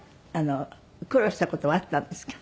苦労した事はあったんですか？